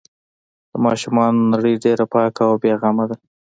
د ماشومانو نړۍ ډېره پاکه او بې غمه ده.